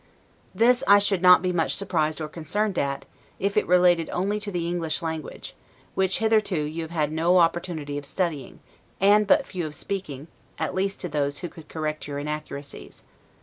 This I should not be so much surprised or concerned at, if it related only to the English language; which hitherto you have had no opportunity of studying, and but few of speaking, at least to those who could correct your inaccuracies.